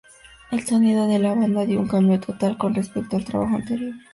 El sonido de la banda dio un cambio total con respecto al trabajo anterior.